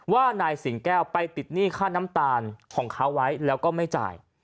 ว่านายสิงแก้วไปติดหนี้ค่าน้ำตาลของเขาไว้แล้วก็ไม่จ่าย